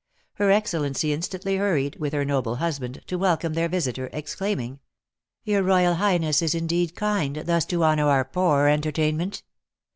Her excellency instantly hurried, with her noble husband, to welcome their visitor, exclaiming: "Your royal highness is, indeed, kind, thus to honour our poor entertainment."